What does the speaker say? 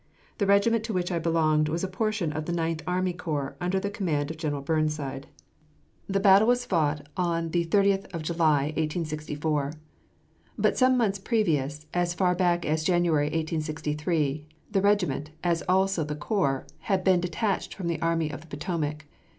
The regiment to which I belonged was a portion of the Ninth Army Corps, under the command of General Burnside. The battle was fought on the 30th of July, 1864. But some months previous, as far back as January, 1863, the regiment, as also the corps, had been detached from the Army of the Potomac.